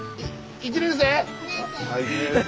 １年生？